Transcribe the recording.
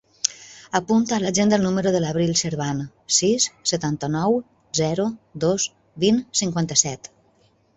Apunta a l'agenda el número de l'Abril Serban: sis, setanta-nou, zero, dos, vint, cinquanta-set.